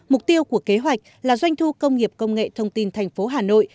mục tiêu của kế hoạch là doanh thu công nghiệp công nghệ thông tin thành phố hà nội